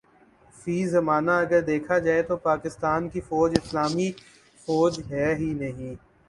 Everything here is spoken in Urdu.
فی زمانہ اگر دیکھا جائے تو پاکستان کی فوج اسلامی فوج ہے ہی نہیں